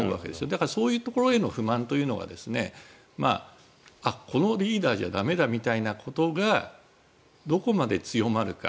だからそういうところへの不満というのがこのリーダーじゃ駄目だみたいなことがどこまで強まるか。